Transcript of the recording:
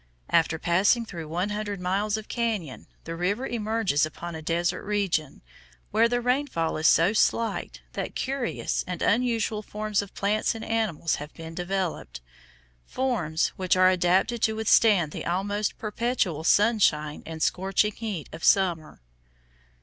After passing through one hundred miles of cañon, the river emerges upon a desert region, where the rainfall is so slight that curious and unusual forms of plants and animals have been developed, forms which are adapted to withstand the almost perpetual sunshine and scorching heat of summer.